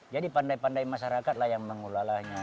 jadi pandai pandai masyarakat lah yang mengelolanya